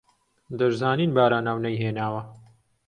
دەشزانین باراناو نەیهێناوە